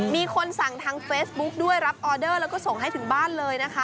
มีคนสั่งทางเฟซบุ๊กด้วยรับออเดอร์แล้วก็ส่งให้ถึงบ้านเลยนะคะ